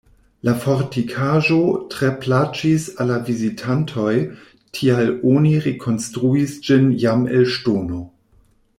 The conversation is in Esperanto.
La fortikaĵo tre plaĉis al la vizitantoj, tial oni rekonstruis ĝin jam el ŝtono.